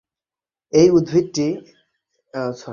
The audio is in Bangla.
এই উদ্ভিদটি এর উজ্জ্বল লাল রঙের ফুলের জন্য বিখ্যাত।